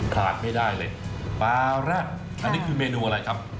ขาดไม่ได้เลยปลาแร็ดอันนี้คือเมนูอะไรครับ